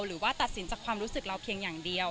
หรือว่าตัดสินจากความรู้สึกเราเพียงอย่างเดียว